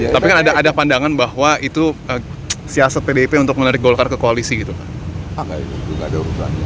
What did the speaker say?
tapi kan ada pandangan bahwa itu siasat pdip untuk menarik golkar ke koalisi gitu kan